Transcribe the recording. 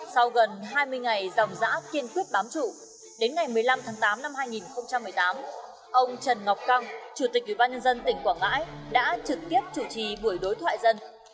sau gần hai mươi ngày dòng giã kiên quyết bám trụ đến ngày một mươi năm tháng tám năm hai nghìn một mươi tám ông trần ngọc căng chủ tịch ủy ban nhân dân tỉnh quảng ngãi đã trực tiếp chủ trì buổi đối thoại dân